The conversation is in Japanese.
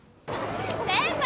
・先輩